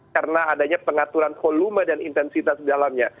karena adanya pengaturan volume dan intensitas dalamnya